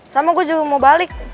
sama gue juga mau balik